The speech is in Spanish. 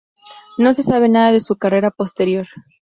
No se sabe nada de su carrera posterior.